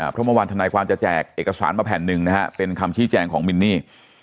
เพราะเมื่อวานธนายความจะแจกเอกสารมาแผ่นหนึ่งนะฮะเป็นคำชี้แจงของมินนี่